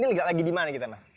ini lagi di mana kita mas